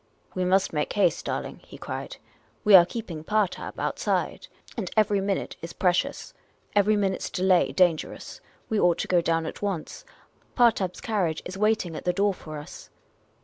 " We must make haste, darling," he cried. " We are keeping Partab outside, The Oriental Attendant 299 and every minute is precious, every minute's delay danger ous. We ought to go down at once. Partab's carriage is waiting at the door for us."